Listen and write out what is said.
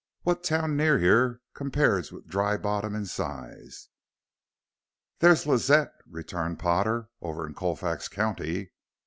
What town near here compares with Dry Bottom in size?" "There's Lazette," returned Potter; "over in Colfax County."